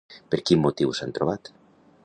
Per quin motiu s'han trobat?